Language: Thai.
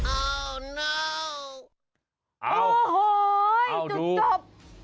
โอ้โหจุดจบ